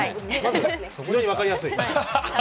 非常に分かりやすい。